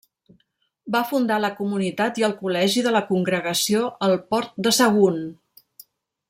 Va fundar la comunitat i el col·legi de la congregació al Port de Sagunt.